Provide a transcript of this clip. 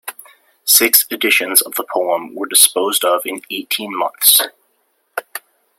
Six editions of the poem were disposed of in eighteen months.